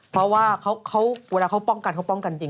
เพราะว่าเวลาเขาป้องกันเขาป้องกันจริง